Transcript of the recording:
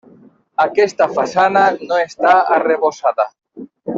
Aquesta façana no està arrebossada.